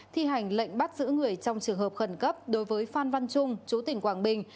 thi hành lệnh bắt giữ người trong trường hợp khẩn cấp đối với phan văn trung chú tỉnh quảng bình